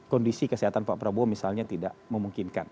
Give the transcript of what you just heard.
kondisi kesehatan pak prabowo misalnya tidak memungkinkan